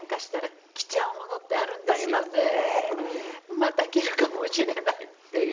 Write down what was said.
また着るかもしれないっていう。